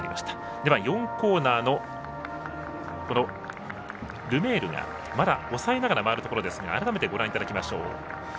では４コーナーのルメールがまだ抑えながら回るところですが改めてご覧いただきましょう。